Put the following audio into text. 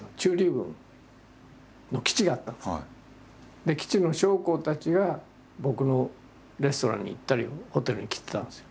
当時基地の将校たちが僕のレストランに行ったりホテルに来てたんですよ。